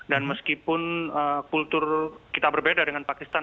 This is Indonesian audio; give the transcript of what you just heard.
dan meskipun kultur kita berbeda dengan pakistan